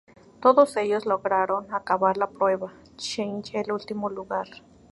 Todos ellos lograron acabar la prueba, Cheng en el último lugar.